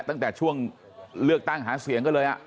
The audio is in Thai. ตั้งแต่ช่วงเลือกตั้งหาเสียงก็เลย